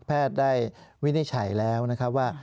แพทย์ได้วินิจฉัยแล้วนะครับว่า